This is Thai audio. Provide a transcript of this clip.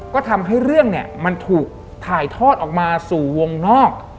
ก็ทำให้เรื่องเนี่ยมันถูกถ่ายทอดออกมาสู่วงนอก